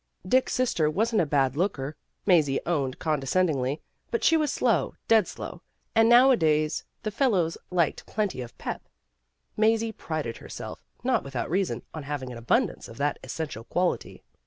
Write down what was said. Dick 's sister wasn 't a bad looker, Mazie owned condescendingly, but she was slow, dead slow, and nowadays the fellows liked plenty of pep. Mazie prided herself, not without reason, on having an abundance of that essential quality.